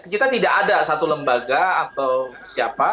kita tidak ada satu lembaga atau siapa